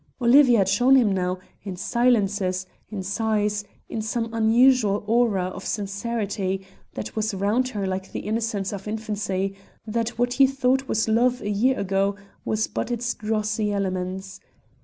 Olivia had shown him now, in silences, in sighs, in some unusual aura of sincerity that was round her like the innocence of infancy, that what he thought was love a year ago was but its drossy elements.